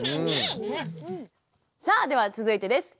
さあでは続いてです。